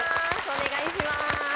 お願いしまーす。